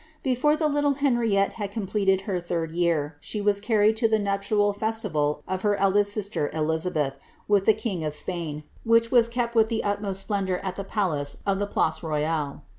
* Before the little Henriette had completed her third year, she was car ried to the nuptial festival of her eldest sister, Elizabeth, with the king of Spain, which was kept with the utmost splendour at the palace of the Place Royale.